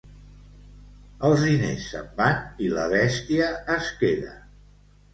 Els diners se'n van i la bèstia es queda.